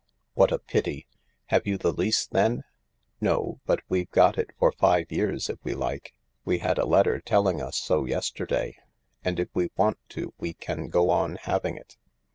" What a pity ! Have you the lease then ?"" No, but we've got it for five years if we like. We had a letter telling us so yesterday. And if we want to we can go on having it."